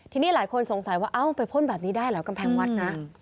ทีนี้หลายคนสงสัยว่าเอ้าไปพ่นแบบนี้ได้เหรอกำแพงวัดนะ